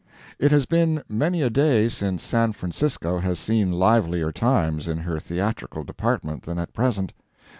It has been many a day since San Francisco has seen livelier times in her theatrical department than at present.